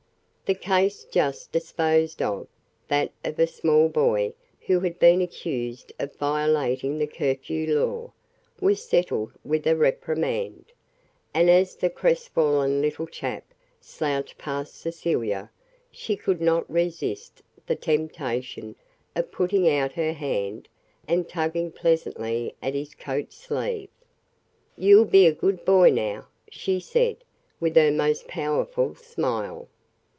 The case just disposed of that of a small boy who had been accused of violating the curfew law was settled with a reprimand; and as the crestfallen little chap slouched past Cecilia, she could not resist the temptation of putting out her hand and tugging pleasantly at his coat sleeve. "You'll be a good boy now," she said, with her most powerful smile.